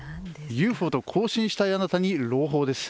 ＵＦＯと交信したいあなたに朗報です。